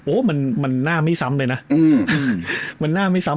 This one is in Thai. โอ้โหมันหน้าไม่ซ้ำเลยนะมันหน้าไม่ซ้ำ